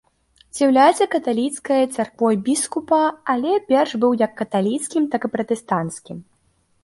З'яўляецца каталіцкай царквой біскупа, але перш быў як каталіцкім, так і пратэстанцкім.